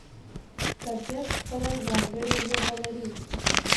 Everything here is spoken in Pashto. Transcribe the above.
طبیعت خپله ځانګړې ژبه لري.